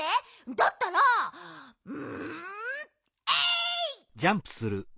だったらんえいっ！